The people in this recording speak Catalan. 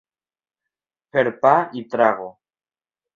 Fer pa i trago.